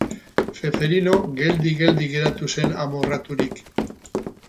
Zeffirino geldi-geldi geratu zen amorraturik.